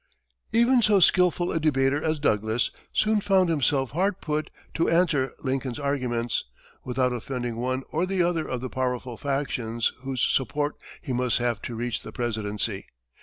Even so skillful a debater as Douglas soon found himself hard put to it to answer Lincoln's arguments, without offending one or the other of the powerful factions whose support he must have to reach the presidency.